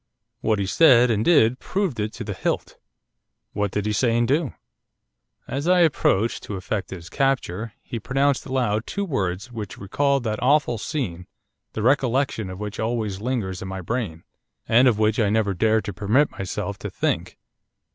What he said and did, proved it to the hilt.' 'What did he say and do?' 'As I approached to effect his capture, he pronounced aloud two words which recalled that awful scene the recollection of which always lingers in my brain, and of which I never dare to permit myself to think.